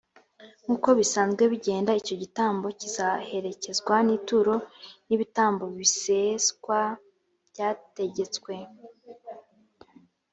nk’uko bisanzwe bigenda, icyo gitambo kizaherekezwa n’ituro, n’ibitambo biseswa byategetswe.